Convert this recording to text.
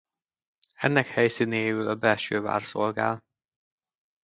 Ennek helyszínéül a belső vár szolgál.